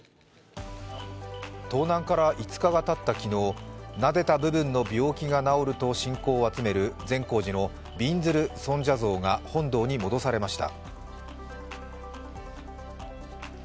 盗難から５日がたった昨日なでた部分の病気が治ると信仰を集める善光寺のびんずる尊者像が本堂に戻されました。